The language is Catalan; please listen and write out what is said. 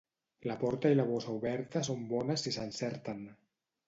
La porta i la bossa oberta són bones si s'encerten.